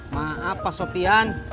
maaf pak sopian